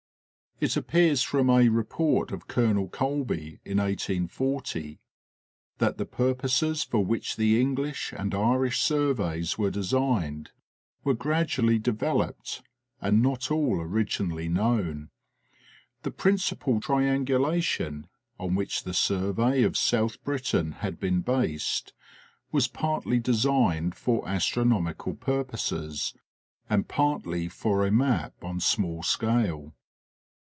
It appears from a report of Colonel Colby, in 1840, that the purposes for which the English and Irish surveys were designed were gradually developed and not all originally known. The principal triangulation, on which the survey of South Britain had been based, was partly designed for astronomical purposes, and partly for a map on small seale.